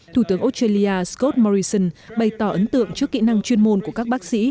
thủ tướng australia scott morrison bày tỏ ấn tượng trước kỹ năng chuyên môn của các bác sĩ